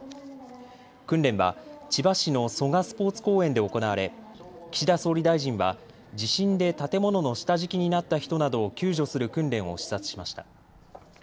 訓練は千葉市の蘇我スポーツ公園で行われ岸田総理大臣は地震で建物の下敷きになった人などを救助する訓練を視察しました。